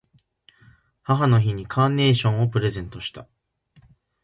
母の日にカーネーションをプレゼントした。